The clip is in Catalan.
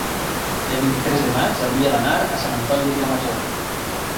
el vint-i-tres de maig hauria d'anar a Sant Antoni de Vilamajor.